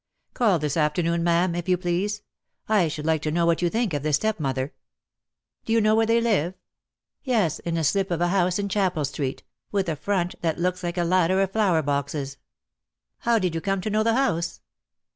Call this afternoon, ma'am, if you please. I should like to know what you think of the step mother." DEAD LOVE HAS CHAINS. J 39 "Do you know where they Uve?" "Yes, in a slip of a house in Chapel Street — with a front that looks like a ladder of flower boxes." "How did you come to know the house?"